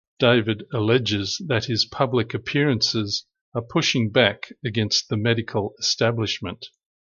David alleges that his public appearances are pushing back against the medical establishment.